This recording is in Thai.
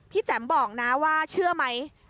แจ๋มบอกนะว่าเชื่อไหม